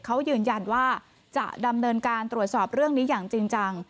เขายืนยันว่าจะดำเนินการตรวจสอบเรื่องนี้อย่างจริงจัง